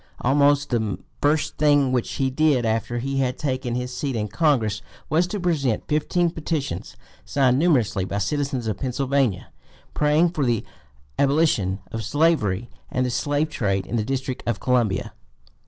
Almost the first thing which he did after he had taken his seat in Congress was to present "fifteen petitions signed numerously by citizens of Pennsylvania, praying for the abolition of slavery and the slave trade in the District of Columbia."